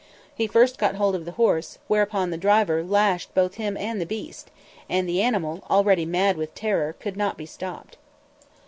He first got hold of the horse, whereupon the driver lashed both him and the beast, and the animal, already mad with terror, could not be stopped.